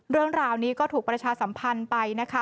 เรื่องราวนี้ก็ถูกประชาสัมพันธ์ไปนะคะ